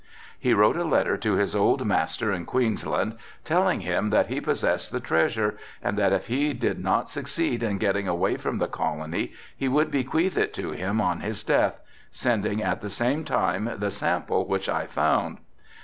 He wrote a letter to his old master in Queensland telling him that he possessed the treasure and that if he did not succeed in getting away from the colony he would bequeath it to him on his death, sending at the same time the sample which I found.